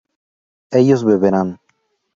ellos beberán